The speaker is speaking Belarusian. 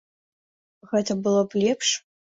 Што, гэта было б лепш?